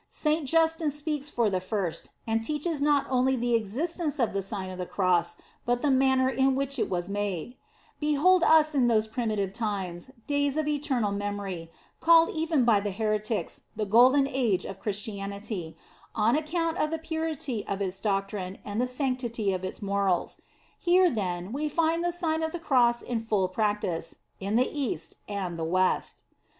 Saint Justin speaks for the first, and teaches not only the existence of the Sign of the Cross, but the manner in which it was made. | Be hold us in those primitive times, days of eternal memory, called even by heretics the * Tertul., De Coron. ML, c. iii. f Quaest, 118. In the Nineteenth Centiiry. 6l "Golden Age" of Christianity, on account of the purity of its doctrine, and the sanctity of its morals. Here, then, we find the Sign of the Cross in full practice, in the East and the West.